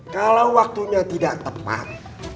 kalau waktunya tidak tepat